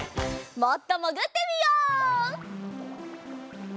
もっともぐってみよう。